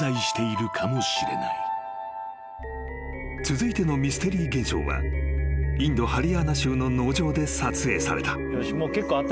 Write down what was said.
［続いてのミステリー現象はインドハリヤーナ州の農場で撮影された］